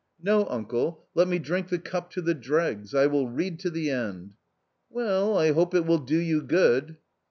" No, uncle, let me drink the cup to the dregs ; I will read to the end." " Well, I hope it will do you good